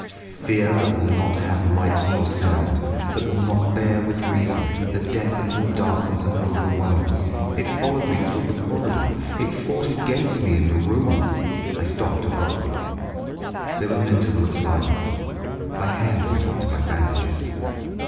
Fear that will not have light nor sound, that will not bear with reason, that deafens and darkens and overwhelms. It followed me through the corridor, it fought against me in the room—" I stopped abruptly. There was an interval of silence. My hand went up to my bandages.